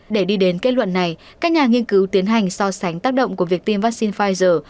để đi đến kết luận này các nhà nghiên cứu tiến hành so sánh tác động của việc tiêm vaccine pfizer